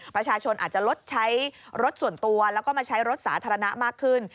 ประชาชนอาจจะลดใช้รถส่วนตัวแล้วก็มาใช้รถสาธารณะมากขึ้น